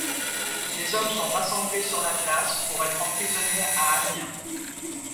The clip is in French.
Les hommes sont rassemblés sur la place pour être emprisonnés à Amiens.